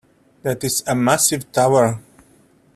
That is a massive tower!.